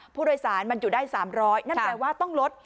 ผู้โดยสารมันอยู่ได้๓๐๐นั่นแปลว่าต้องลด